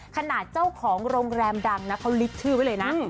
ขนาดเจ้าของโรงแรมดังนะเขาลิฟต์ชื่อไว้เลยนะ